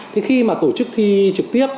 thì khi mà tổ chức thi trực tiếp